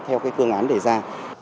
theo cái phương án đề ra